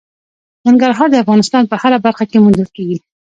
ننګرهار د افغانستان په هره برخه کې موندل کېږي.